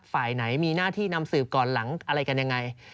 ฝ่ายไหนมีหน้าที่นำสืบก่อนหลังอะไรกันยังไง